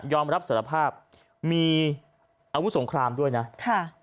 อมรับสารภาพมีอาวุธสงครามด้วยนะค่ะ